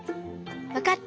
わかった！